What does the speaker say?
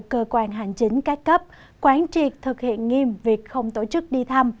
cơ quan hành chính các cấp quán triệt thực hiện nghiêm việc không tổ chức đi thăm